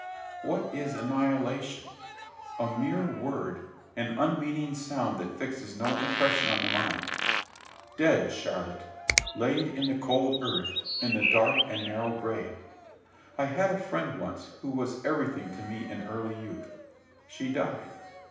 What is annihilation? A mere word, an unmeaning sound that fixes no impression on the mind. Dead, Charlotte! laid in the cold earth, in the dark and narrow grave! I had a friend once who was everything to me in early youth. She died.